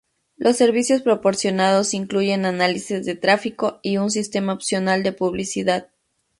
Los servicios proporcionados incluyen análisis de tráfico y un sistema opcional de publicidad.